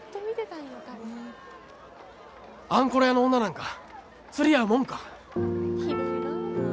あんころ屋の女なんか釣り合うもんか！